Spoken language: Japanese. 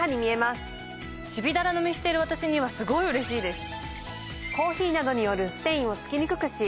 ちびだら飲みしている私にはすごいうれしいです。